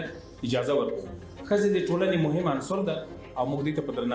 saya ingin bertanya kepada anda saya ingin bertanya kepada anda